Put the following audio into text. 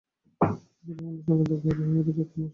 হাবিবুর রহমানের সঙ্গে দেখা হলো সাংবাদিকদের এক কর্মশালায়।